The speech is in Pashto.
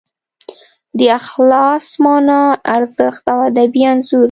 د اخلاص مانا، ارزښت او ادبي انځور